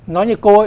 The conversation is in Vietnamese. nói như cô ấy